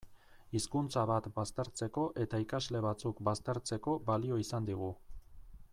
Hizkuntza bat baztertzeko eta ikasle batzuk baztertzeko balio izan digu.